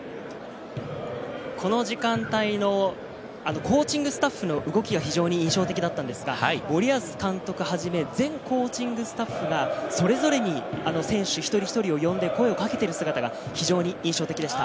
この時間帯のコーチングスタッフの動きが非常に印象的だったんですが、森保監督をはじめ、全コーチングスタッフがそれぞれに選手一人一人を呼んで、声をかけている姿が非常に印象的でした。